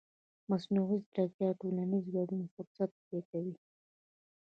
مصنوعي ځیرکتیا د ټولنیز ګډون فرصت زیاتوي.